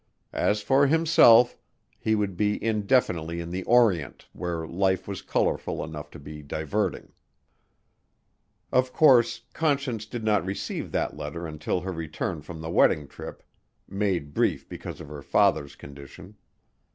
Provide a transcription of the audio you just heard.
As for himself, he would be indefinitely in the Orient where life was colorful enough to be diverting. Of course, Conscience did not receive that letter until her return from the wedding trip, made brief because of her father's condition.